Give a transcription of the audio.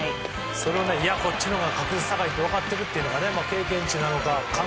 それを、こっちのほうが確率が高いと分かっているというのが経験値なのか。